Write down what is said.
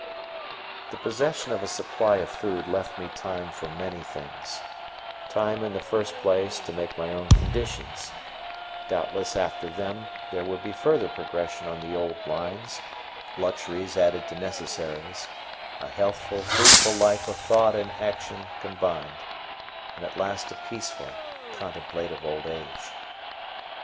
The possession of a supply of food left me time for many things: time in the first place to make my own conditions; doubtless after them there would be further progression on the old lines luxuries added to necessaries; a healthful, fruitful life of thought and action combined; and at last a peaceful, contemplative old age.